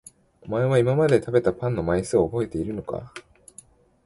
お前は今まで食べたパンの枚数を覚えているのか？